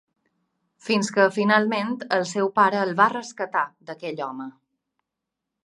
Fins que finalment el seu pare el va rescatar d'aquell home.